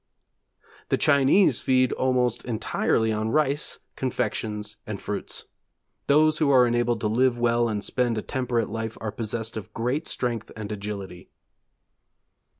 'The Chinese feed almost entirely on rice, confections and fruits; those who are enabled to live well and spend a temperate life, are possessed of great strength and agility.'